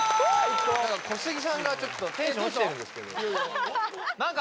小杉さんがちょっとテンション落ちてるんですけどどうしたの？